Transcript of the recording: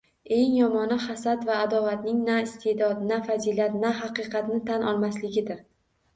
Eng yomoni, hasad va adovatning na iste’dod, na fazilat, na haqiqatni tan olmasligidir.